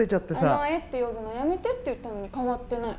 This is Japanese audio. お前って呼ぶのやめてって言ったのに変わってない。